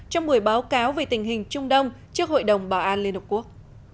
trong buổi báo cáo về tình hình trung đông trước hội đồng bảo an liên hợp quốc